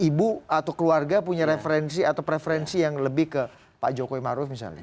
ibu atau keluarga punya referensi atau preferensi yang lebih ke pak jokowi maruf misalnya